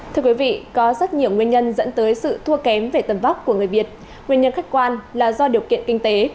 thưa quý vị có rất nhiều nguyên nhân dẫn tới sự thua kém về tầm vóc của người việt nguyên nhân khách quan là do điều kiện kinh tế